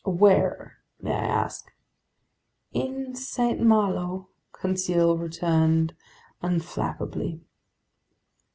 "Where, may I ask?" "In Saint Malo," Conseil returned unflappably.